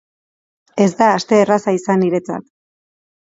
Ez da aste erraza izan niretzat.